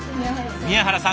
宮原さん